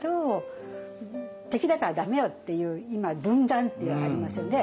「敵だから駄目よ」っていう今分断ってありますよね。